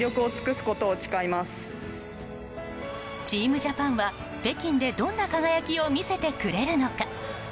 チームジャパンは、北京でどんな輝きを見せてくれるのか。